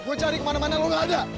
gue cari kemana mana lo gak ada